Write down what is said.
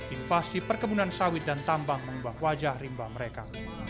invasi perkebunan sawit dan tambang mengubah wajah rimba mereka